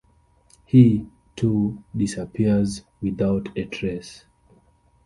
He, too, disappears without a trace.